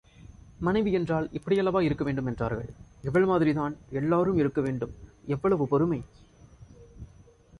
மனைவி என்றால் இப்படியல்லவா இருக்க வேண்டும் என்றார்கள். இவள் மாதிரி தான் எல்லாரும் இருக்க வேண்டும் எவ்வளவு பொறுமை!